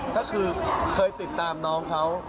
ก็คือเคยติดตามน้องเขา